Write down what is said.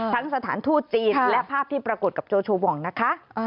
สถานทูตจีนและภาพที่ปรากฏกับโจโชวองนะคะ